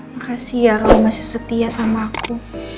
makasih ya kalau masih setia sama aku